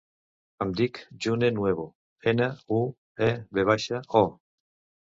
Em dic June Nuevo: ena, u, e, ve baixa, o.